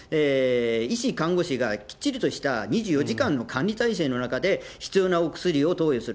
医師、看護師が、きっちりとした２４時間の管理体制の中で、必要なお薬を投与する。